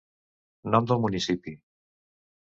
Nom del municipi.